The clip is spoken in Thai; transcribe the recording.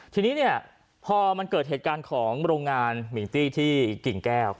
ทีนี้เนี่ยพอมันเกิดเหตุการณ์ของโรงงานมิงตี้ที่กิ่งแก้ว